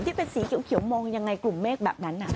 ที่เป็นสีเขียวมองยังไงกลุ่มเมฆแบบนั้น